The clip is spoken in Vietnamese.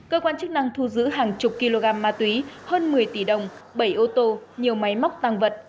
cơ quan chức năng thu giữ hàng chục kg ma túy hơn một mươi tỷ đồng bảy ô tô nhiều máy móc tăng vật